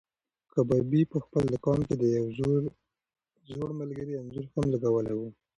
کبابي په خپل دوکان کې د یو زوړ ملګري انځور هم لګولی و.